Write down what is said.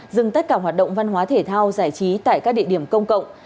dừng tất cả hoạt động văn hóa thể thao giải trí tại các địa điểm công cộng